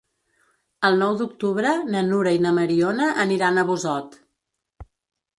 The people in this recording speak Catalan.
El nou d'octubre na Nura i na Mariona aniran a Busot.